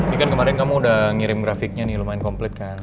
ini kan kemarin kamu udah ngirim grafiknya nih lumayan komplit kan